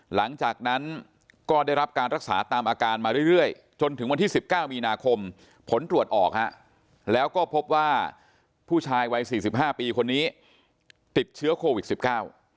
หลังจากนั้นก็ได้รับการรักษาตามอาการมาเรื่อยเรื่อยจนถึงวันที่สิบเก้ามีนาคมผลตรวจออกฮะแล้วก็พบว่าผู้ชายวัยสี่สิบห้าปีคนนี้ติดเชื้อโควิดสิบเก้า